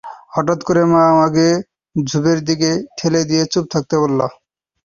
হঠাৎ করে মা আমাকে ঝোপের দিকে ঠেলে দিয়ে চুপ থাকতে বলল।